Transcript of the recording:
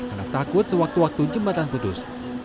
karena takut sewaktu waktu jembatan putus